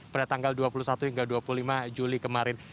pada tanggal dua puluh satu hingga dua puluh lima juli kemarin